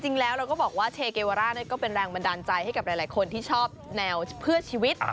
จริงแล้วเราก็บอกว่าเชเกวาร่าก็เป็นแรงบันดาลใจให้กับหลายคนที่ชอบแนวเพื่อชีวิต